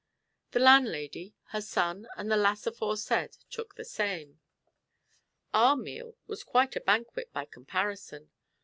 The landlady, her son, and the lass aforesaid, took the same. Our meal was quite a banquet by comparison.